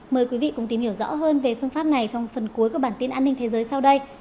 mời quý vị cùng tìm hiểu rõ hơn về phương pháp này trong phần cuối của bản tin an ninh thế giới sau đây